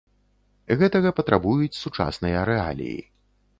Гэтага патрабуюць сучасныя рэаліі.